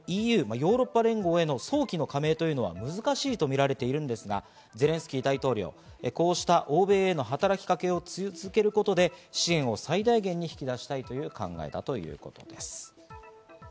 ＥＵ＝ヨーロッパ連合への早期の加盟というのは難しいとみられていますがゼレンスキー大統領、こうした欧米への働きかけを続けることで支援を最大限に引き出したいという考えだということです。